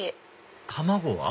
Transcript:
卵は？